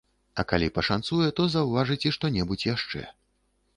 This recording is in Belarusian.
А калі пашанцуе, то заўважыць і што-небудзь яшчэ.